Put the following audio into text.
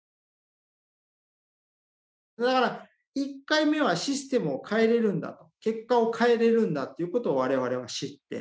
だから１回目はシステムを変えれるんだと結果を変えれるんだっていうことを我々は知って。